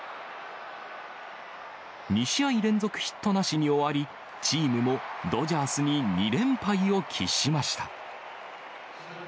２試合連続ヒットなしに終わり、チームもドジャースに２連敗を喫しました。